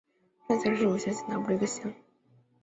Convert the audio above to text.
上司乡是武乡县南部的一个乡。